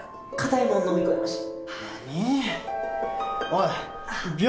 おい。